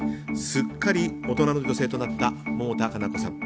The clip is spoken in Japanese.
すっかり大人の女性となった百田夏菜子さん。